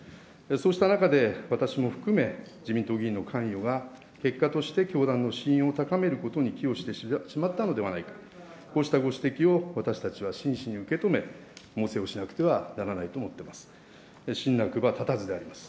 そうした中で私も含め、自民党議員の関与が、結果として、教団の信用を高めることに寄与してしまったのではないか、こうしたご指摘を、私たちは真摯に受け止め、猛省をしなくてはならないと思っています。